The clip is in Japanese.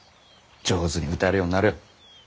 上手に歌えるようになるよ。